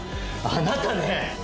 あなたね！